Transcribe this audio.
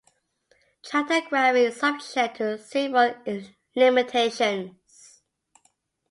Tractography is subject to several limitations.